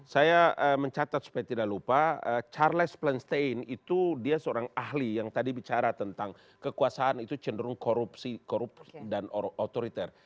saya mencatat supaya tidak lupa charles plenstein itu dia seorang ahli yang tadi bicara tentang kekuasaan itu cenderung korupsi korup dan otoriter